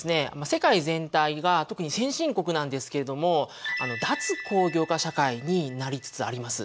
世界全体が特に先進国なんですけれども脱工業化社会になりつつあります。